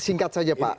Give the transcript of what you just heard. singkat saja pak